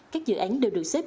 các dự án đều được xếp